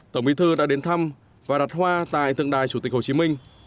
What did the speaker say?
tổng bí thư đã đến thăm và đặt hoa tại tượng đài chủ tịch hồ chí minh